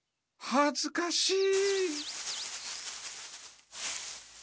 はずかしい！